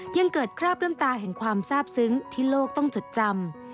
ยังเกิดคราบน้ำตาแห่งความทราบซึ้งที่โลกต้องจดจำ